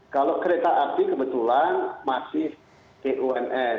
kalau kereta api kebetulan masih bumn